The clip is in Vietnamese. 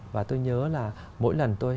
và tôi nhớ là mỗi lần tôi